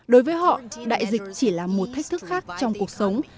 đối với họ đại dịch chỉ là một thách thức khác trong cuộc sống